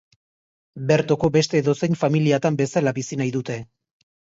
Bertoko beste edozein familiatan bezala bizi nahi dute.